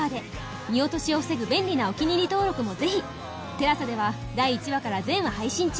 ＴＥＬＡＳＡ では第１話から全話配信中